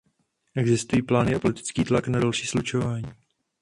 Existují plány a politický tlak na další slučování.